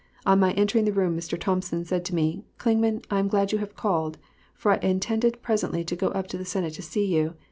On my entering the room, Mr. Thompson said to me, "Clingman, I am glad you have called, for I intended presently to go up to the Senate to see you.